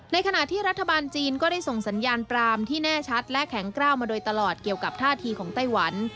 ขณะที่รัฐบาลจีนก็ได้ส่งสัญญาณปรามที่แน่ชัดและแข็งกล้าวมาโดยตลอดเกี่ยวกับท่าทีของไต้หวัน